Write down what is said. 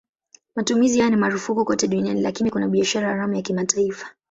Matumizi haya ni marufuku kote duniani lakini kuna biashara haramu ya kimataifa.